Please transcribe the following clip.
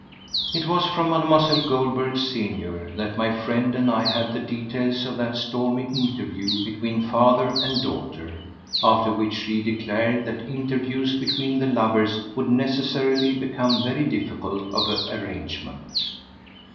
It was from Mlle. Goldberg, senior, that my friend and I had the details of that stormy interview between father and daughter; after which, she declared that interviews between the lovers would necessarily become very difficult of arrangement.